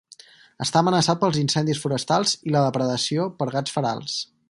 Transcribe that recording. Està amenaçat pels incendis forestals i la depredació per gats ferals.